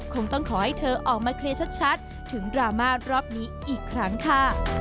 คงต้องขอให้เธอออกมาเคลียร์ชัดถึงดราม่ารอบนี้อีกครั้งค่ะ